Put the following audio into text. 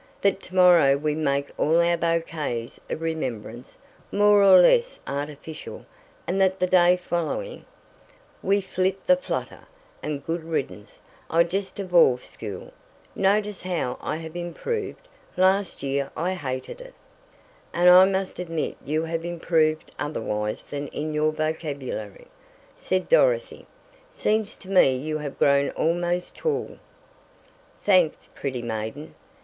That to morrow we make all our bouquets of remembrance, more or less artificial, and that the day following " "We flit the flutter! And good riddance! I just abhor school notice how I have improved? Last year I 'hated' it." "And I must admit you have improved otherwise than in your vocabulary," said Dorothy. "Seems to me you have grown almost tall." "Thanks, pretty maiden.